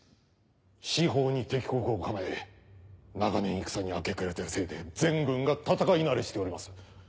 四方に敵国を構え長年戦に明け暮れてるせいで全軍が戦い慣れしております。